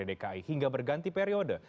dki hingga berganti periode